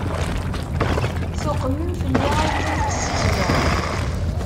Tuqmem fell-i agdud n tzizwa.